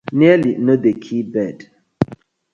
Nearly no dey kill bird: